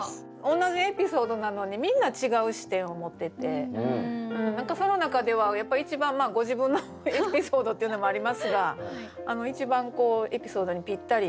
同じエピソードなのにみんな違う視点を持ってて何かその中ではやっぱ一番ご自分のエピソードっていうのもありますが一番エピソードにぴったり。